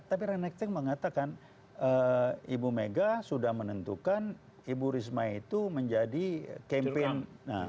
tapi renek teng mengatakan ibu mega sudah menentukan ibu risma itu menjadi campaign